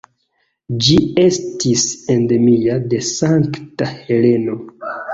Ĝi estis endemia de Sankta Heleno.